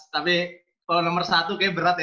tapi kalau nomor satu kayaknya berat ya title nya